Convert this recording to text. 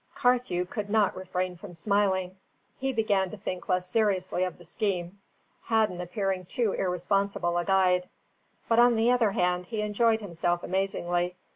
Carthew could not refrain from smiling. He began to think less seriously of the scheme, Hadden appearing too irresponsible a guide; but on the other hand, he enjoyed himself amazingly.